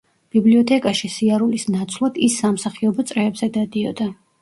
ბიბლიოთეკაში სიარულის ნაცვლად, ის სამსახიობო წრეებზე დადიოდა.